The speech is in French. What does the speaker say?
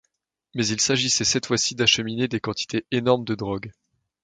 Mais il s'agissait cette fois-ci d'acheminer des quantités énormes de drogue.